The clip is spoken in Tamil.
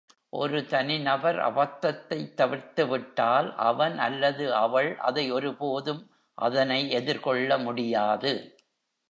ஒரு தனிநபர் அபத்தத்தைத் தவிர்த்துவிட்டால், அவன் அல்லது அவள் அதை ஒருபோதும் அதனை எதிர்கொள்ள முடியாது.